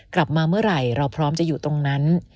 กลับมาเมื่อไหร่เราพร้อมจะอยู่ตรงนั้น